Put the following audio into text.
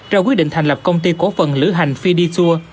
ra quyết định thành lập công ty cổ phần lữ hành fiditur